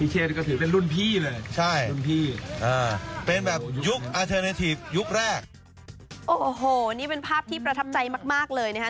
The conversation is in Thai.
โอ้โหนี่เป็นภาพที่ประทับใจมากเลยนะครับ